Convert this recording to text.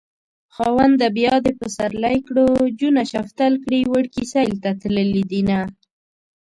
خاونده بيا دې پسرلی کړو جونه شفتل کړي وړکي سيل ته تللي دينه